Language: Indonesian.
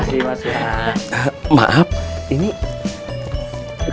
begitu juga sebaliknya